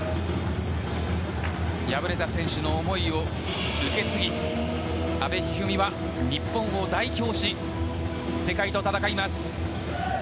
敗れた選手の思いを受け継ぎ阿部一二三は日本を代表し世界と戦います。